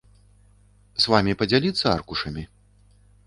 С вамі падзяліцца аркушамі?